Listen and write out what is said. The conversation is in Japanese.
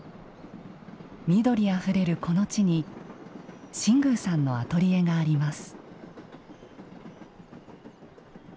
緑あふれるこの地に新宮さんのアトリエがあります。